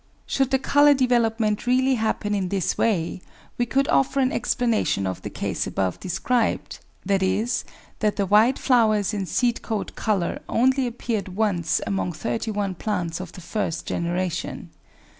Should the colour development really happen in this way, we could offer an explanation of the case above described, viz. that the white flowers and seed coat colour only appeared once among thirty one plants of the first generation.